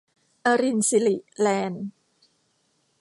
อรินสิริ แลนด์